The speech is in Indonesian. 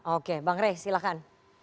oke bang rey silahkan